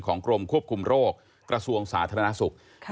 กรมควบคุมโรคกระทรวงสาธารณสุข